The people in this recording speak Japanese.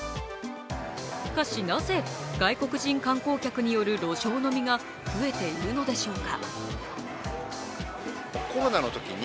しかし、なぜ外国人観光客による路上飲みが増えているのでしょうか。